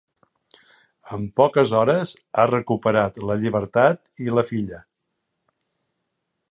En poques hores ha recuperat la llibertat i la filla.